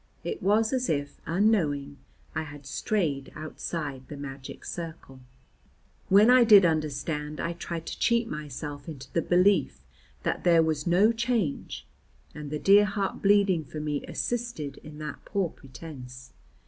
It was as if, unknowing, I had strayed outside the magic circle. When I did understand I tried to cheat myself into the belief that there was no change, and the dear heart bleeding for me assisted in that poor pretence.